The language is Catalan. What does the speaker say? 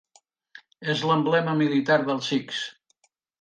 És l'emblema militar dels sikhs.